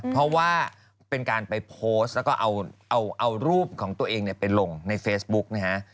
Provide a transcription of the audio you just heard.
เพราะว่าเป็นการไปโพสต์แล้วก็เอารูปของตัวเองไปลงในเฟซบุ๊กนะฮะ